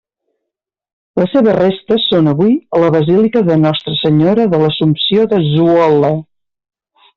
Les seves restes són avui a la Basílica de Nostra Senyora de l'Assumpció de Zwolle.